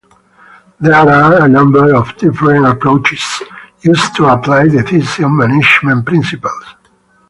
There are a number of different approaches used to apply decision management principles.